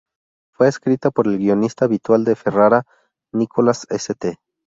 Fue escrita por el guionista habitual de Ferrara, Nicholas St.